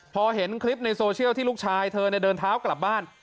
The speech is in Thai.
พอเห็นคลิปในโซเชียลที่ลูกชายเธอเดินเท้ากลับบ้าน